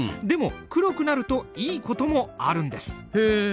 でも黒くなるといいこともあるんです。